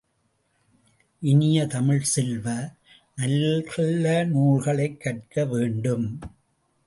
இனிய தமிழ்ச் செல்வ, நல்ல நூல்களைக் கற்க வேண்டும்.